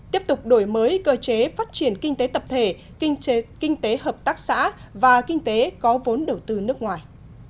tiếp tục đổi mới cơ chế phát triển kinh tế tập thể kinh tế hợp tác xã và kinh tế có vốn đầu tư nước ngoài